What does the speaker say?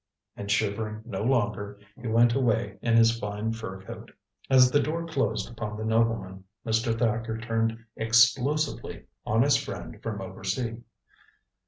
And shivering no longer, he went away in his fine fur coat. As the door closed upon the nobleman, Mr. Thacker turned explosively on his friend from oversea.